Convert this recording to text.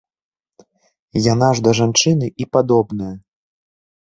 Яна ж да жанчыны і падобная.